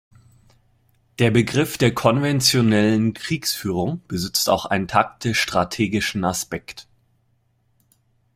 Der Begriff der konventionellen Kriegsführung besitzt auch einen taktisch-strategischen Aspekt.